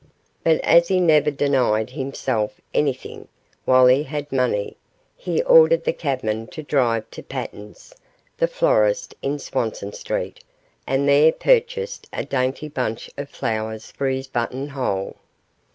But as he never denied himself anything while he had the money, he ordered the cabman to drive to Paton's, the florist in Swanston Street, and there purchased a dainty bunch of flowers for his button hole.